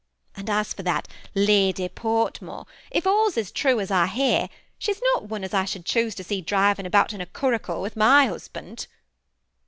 And as for that Lady Fortmore, if all 's true as I hear, she's not one as I should choose to see driv ing about in a curricle with my husband."